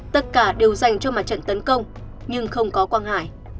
tất cả đều dành cho mặt trận tấn công nhưng không có quang hải